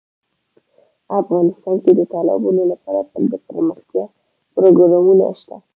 افغانستان کې د تالابونه لپاره دپرمختیا پروګرامونه شته.